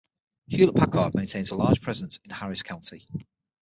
Hewlett-Packard maintains a large presence in Harris County.